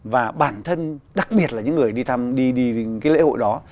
và bản thân đặc biệt là những người đi thăm đi cái lễ hội đó